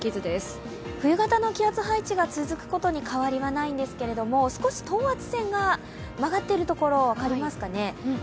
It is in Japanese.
冬型の気圧配置が続くことに変わりはないんですけれども、少し等圧線が曲がっているところ、分かりますかね。